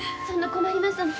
そんな困ります。